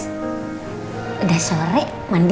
udah sore mandi